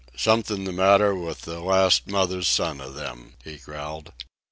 "Something the matter with the last mother's son of them," he growled.